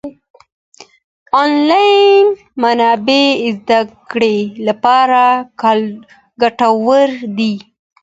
انلاين منابع زده کړې لپاره ګټورې دي.